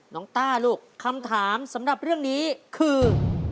ต้าลูกคำถามสำหรับเรื่องนี้คือ